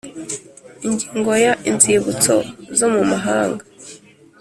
ingingo ya inzibutso zo mu mahanga